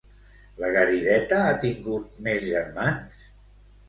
La Garideta ha tingut més germans?